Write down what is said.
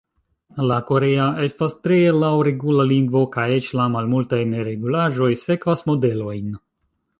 La korea estas tre laŭregula lingvo, kaj eĉ la malmultaj neregulaĵoj sekvas modelojn.